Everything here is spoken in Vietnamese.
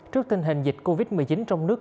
trước tình hình dịch covid một mươi chín trong nước